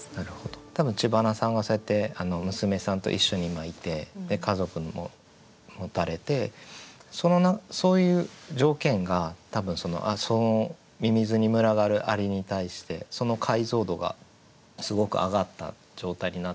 多分知花さんはそうやって娘さんと一緒にいて家族も持たれてそういう条件が多分そのみみずに群がる蟻に対してその解像度がすごく上がった状態になってるんじゃないかなと思って。